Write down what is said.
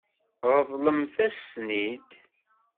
Ṛeḍlemt-as-ten-id.